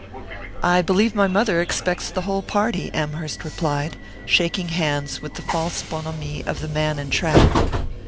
"I believe my mother expects the whole party," Amherst replied, shaking hands with the false bonhomie of the man entrapped.